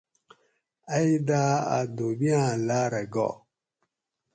ائی داۤ اۤ دھوبیاۤں لاۤرہ گا